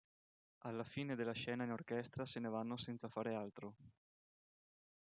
Alla fine della scena in orchestra se ne vanno senza fare altro.